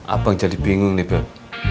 abang jadi bingung nih dok